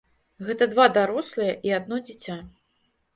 Гэта два дарослыя і адно дзіця.